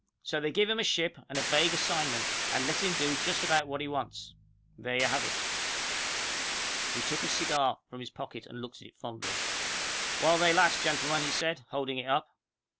So they give him a ship, and a vague assignment, and let him do just about what he wants. There you have it." He took a cigar from his pocket, and looked at it fondly. "While they last, gentlemen," he said, holding it up.